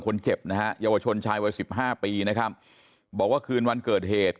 คนเจ็บนะฮะเยาวชนชายวัยสิบห้าปีนะครับบอกว่าคืนวันเกิดเหตุ